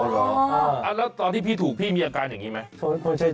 แล้วตอนที่พี่ถูกพี่มีอาการอย่างนี้ไหม